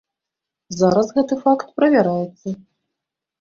Зараз гэты факт правяраецца.